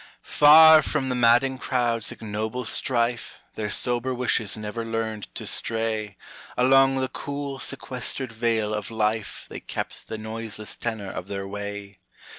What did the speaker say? Far from the madding crowd's ignoble strife, Their sober wishes never learned to stray; Along the cool sequestered vale of life They kept the noiseless tenor of their way.